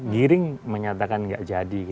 giring menyatakan tidak jadi